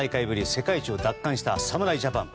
世界一を奪還した侍ジャパン。